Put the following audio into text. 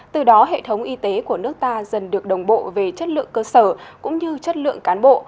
từ đó hệ thống y tế của nước ta dần được đồng bộ về chất lượng cơ sở cũng như chất lượng cán bộ